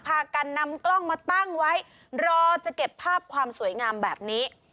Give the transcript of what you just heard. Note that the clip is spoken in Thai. พากันนำกล้องมาตั้งไว้รอจะเก็บภาพความสวยงามแบบนี้